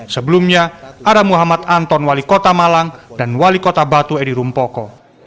sebelumnya ada muhammad anton wali kota malang dan wali kota batu edi rumpoko